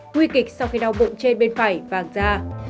nguy kịch sau khi đau bụng trên bên phải vàng da